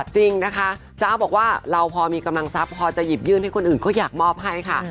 จริงนะคะจ๊ะบอกว่าเราพอมีกำลังทรัพย์พอจะหยิบยื่นให้คนอื่นก็อยากมอบให้ค่ะ